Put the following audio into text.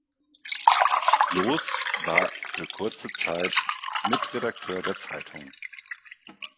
Blos war für kurze Zeit Mitredakteur der Zeitung.